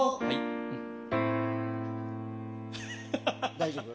大丈夫？